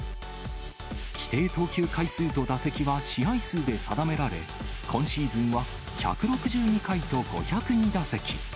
規定投球回数と打席は試合数で定められ、今シーズンは１６２回と５０２打席。